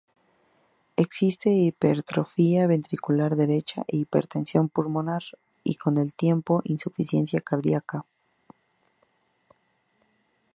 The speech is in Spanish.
Existe hipertrofia ventricular derecha e hipertensión pulmonar y, con el tiempo, insuficiencia cardíaca.